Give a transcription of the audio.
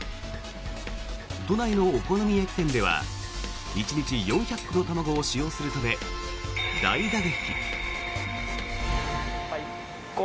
都内のお好み焼き店では１日４００個の卵を使用するため大打撃。